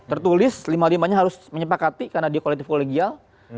tertulis lima limanya harus menyepakati karena dia kolektif kolegial